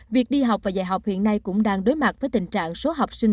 việc đi học và dạy học hiện nay cũng đang đối mặt với tình trạng số học sinh